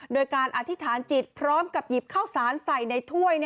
โดยการอธิษฐานจิตพร้อมกับหยิบข้าวสารใส่ในถ้วย